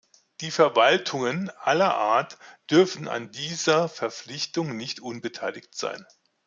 Die Verwaltungen aller Art dürfen an dieser Verpflichtung nicht unbeteiligt sein.